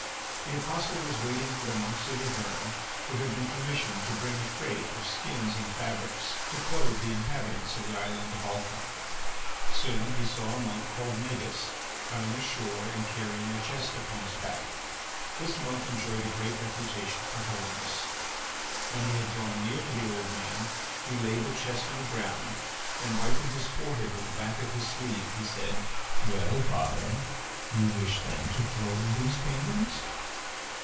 The apostle was waiting for the monks of Yvern who had been commissioned to bring a freight of skins and fabrics to clothe the inhabitants of the island of Alca. Soon he saw a monk called Magis coming ashore and carrying a chest upon his back. This monk enjoyed a great reputation for holiness. When he had drawn near to the old man he laid the chest on the ground and wiping his forehead with the back of his sleeve, he said: "Well, father, you wish then to clothe these penguins?"